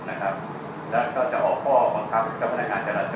และจะออกข้อบังคับกับพนักงานการจร